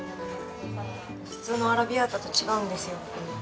普通のアラビアータと違うんですよ。